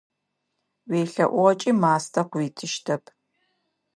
УелъэӀугъэкӀи мастэ къыуитыщтэп.